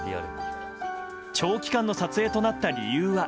長期間の撮影となった理由は。